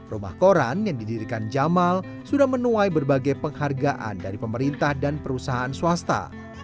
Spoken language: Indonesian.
rumah koran yang didirikan jamal sudah menuai berbagai penghargaan dari pemerintah dan perusahaan swasta